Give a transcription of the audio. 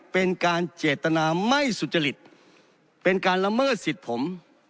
เป็นการเจตนาไม่สุจริตเป็นการละเมิดสิทธิ์ผม